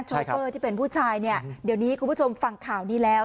โชเฟอร์ที่เป็นผู้ชายเนี่ยเดี๋ยวนี้คุณผู้ชมฟังข่าวนี้แล้ว